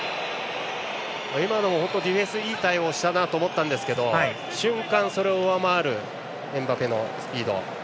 今のもディフェンスいい対応したと思いましたが瞬間、それを上回るエムバペのスピード。